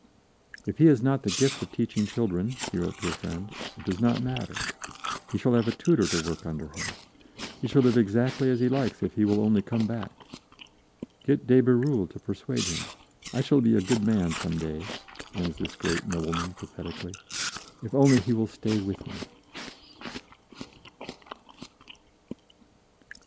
"If he has not the gift of teaching children," he wrote to a friend, "it does not matter; he shall have a tutor to work under him. He shall live exactly as he likes if he will only come back. Get de Bérulle to persuade him. I shall be a good man some day," ends this great nobleman pathetically, "if only he will stay with me."